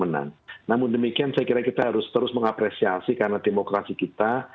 namun demikian saya kira kita harus terus mengapresiasi karena demokrasi kita